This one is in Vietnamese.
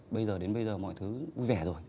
bây giờ đến bây giờ mọi thứ vui vẻ rồi